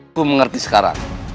aku mengerti sekarang